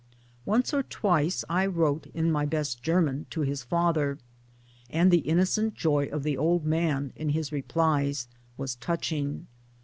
Once or twice I wrote in my best German to his father '; and the innocent joy of the old man (in his replies) was touching.